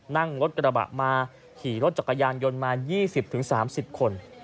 นั่งรถกระบะมาขี่รถจักรยานยนต์มา๒๐๓๐คน